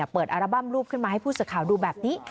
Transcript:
เปิดอาราบัมรูปขึ้นมาให้ผู้สักข่าวดูแบบนี้